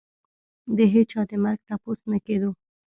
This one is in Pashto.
د هېچا د مرګ تپوس نه کېدو.